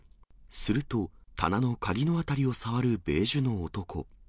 すると、棚の鍵の辺りを触るベージュの男。